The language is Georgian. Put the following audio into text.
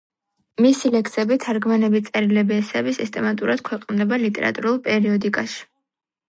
მისი ლექსები, თარგმანები, წერილები, ესეები სისტემატურად ქვეყნდება ლიტერატურულ პერიოდიკაში.